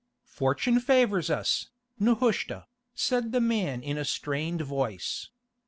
"Fortune favours us, Nehushta," said the man in a strained voice.